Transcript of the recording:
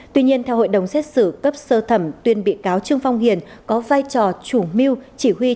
tuy nhiên theo hội đồng xét xử cấp sơ thẩm tuyên bị cáo trương phong hiền có vai trò chủ mưu chỉ huy